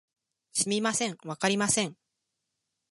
すみません、わかりません